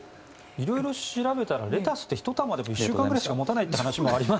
色々調べたらレタスって１玉でも１週間ぐらいしか持たないという話がある。